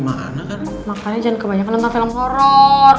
makanya jangan kebanyakan nengka film horor